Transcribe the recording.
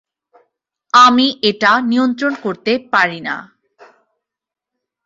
আমি এটা নিয়ন্ত্রণ করতে পারি না।